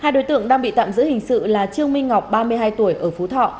hai đối tượng đang bị tạm giữ hình sự là trương minh ngọc ba mươi hai tuổi ở phú thọ